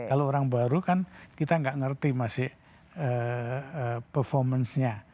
kalau orang baru kan kita nggak ngerti masih performance nya